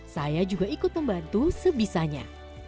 saya juga ikut membantu sebisanya